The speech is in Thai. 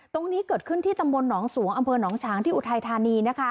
ตรงนี้เกิดขึ้นที่ตำบลน้องสวงอันพลน้องช้างอุทายธานี